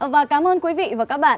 và cảm ơn quý vị và các bạn